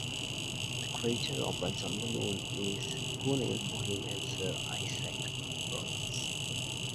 The crater Roberts on the Moon is co-named for him and Sir Isaac Roberts.